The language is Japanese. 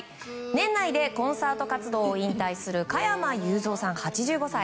年内でコンサート活動を引退する加山雄三さん、８５歳。